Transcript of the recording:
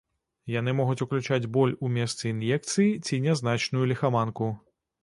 Яны могуць уключаць боль у месцы ін'екцыі ці нязначную ліхаманку.